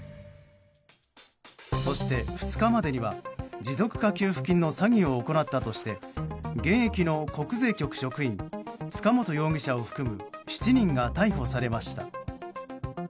そして２日までには持続化給付金の詐欺を行ったとして現役の国税局職員塚本容疑者を含む７人が逮捕されました。